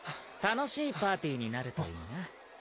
楽しいパーティーになるといいな。